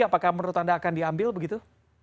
apakah menurut anda akan diambil begitu